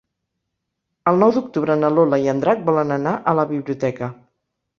El nou d'octubre na Lola i en Drac volen anar a la biblioteca.